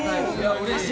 うれしい。